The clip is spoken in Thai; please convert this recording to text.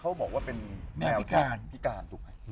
เขาก็บอกว่าเป็นแมวปิการ